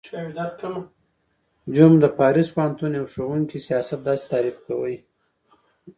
ج : د پاریس د پوهنتون یوه ښوونکی سیاست داسی تعریف کوی